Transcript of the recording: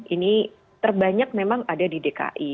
ini terbanyak memang ada di dki